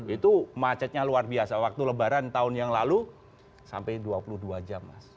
itu macetnya luar biasa waktu lebaran tahun yang lalu sampai dua puluh dua jam mas